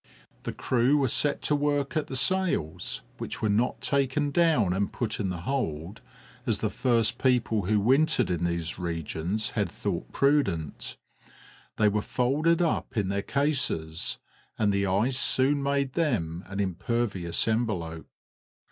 The crew were set to work at the sails, which were not taken down, and put into the hold, as the first people who wintered in these regions had thought prudent; they were folded up in their cases, and the ice soon made them an impervious envelope.